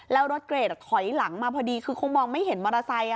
แล้วรถเกรดถอยหลังมาพอดีคือคงมองไม่เห็นมอเตอร์ไซค์